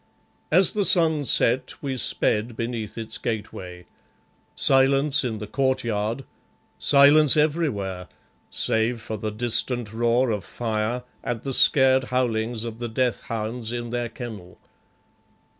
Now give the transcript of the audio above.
As the sun set we sped beneath its gateway. Silence in the courtyard, silence everywhere, save for the distant roar of fire and the scared howlings of the death hounds in their kennel.